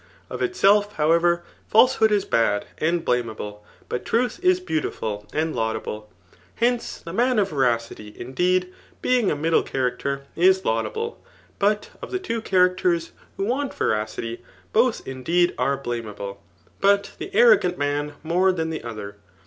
Of itself, however, ^Isehood is bad and blameable ; but truth is beaudfiil and laudable. Hence, the man of veracity, indeed, be ing a middle character, is laudable; but of the two characters who want, veracity, both indeed are blame ahk> but the arrogant man more than the other.